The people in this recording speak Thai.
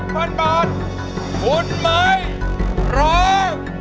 ผู้หนมีเรา